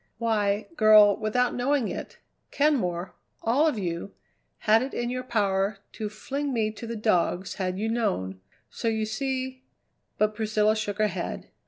Why, girl, without knowing it, Kenmore all of you had it in your power to fling me to the dogs had you known, so you see " But Priscilla shook her head.